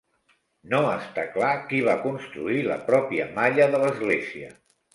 No està clar qui va construir la pròpia malla de l'església.